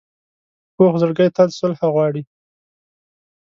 پوخ زړګی تل صلح غواړي